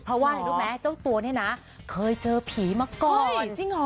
เพราะว่าเจ้าตัวเคยเจอผีมาก่อน